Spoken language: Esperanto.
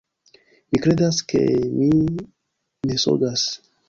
Mi kredas, ke vi mensogas